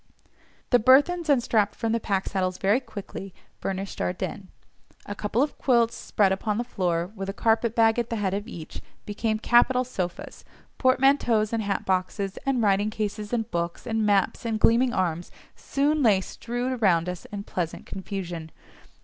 The burthens unstrapped from the pack saddles very quickly furnished our den: a couple of quilts spread upon the floor, with a carpet bag at the head of each, became capital sofas—portmanteaus, and hat boxes, and writing cases, and books, and maps, and gleaming arms soon lay strewed around us in pleasant confusion.